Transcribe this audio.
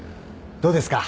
どうですか？